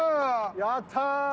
やった！